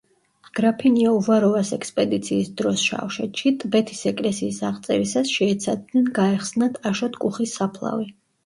გრაფინია უვაროვას ექსპედიციის დროს შავშეთში, ტბეთის ეკლესიის აღწერისას შეეცადნენ გაეხსნათ აშოტ კუხის საფლავი.